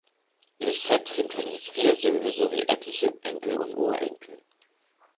Lycett hinterließ vier Söhne sowie etliche Enkel und Urenkel.